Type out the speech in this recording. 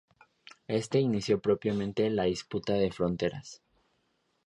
Esto inició propiamente la disputa de fronteras.